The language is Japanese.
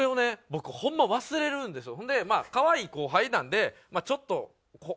僕ホンマ忘れるんですよ。